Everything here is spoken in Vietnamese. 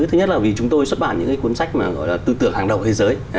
thứ nhất là vì chúng tôi xuất bản những cuốn sách tư tưởng hàng đầu thế giới